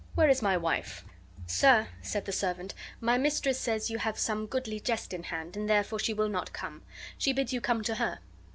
Where is my wife?" "Sir," said the servant, "my mistress says you have some goodly jest in hand, and therefore she will not come. She bids you come to her."